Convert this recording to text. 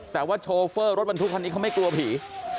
แต่ว่ารถรถแบบมันทุกคันมันไม่กลัวผี